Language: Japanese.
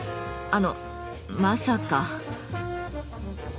あのまさか。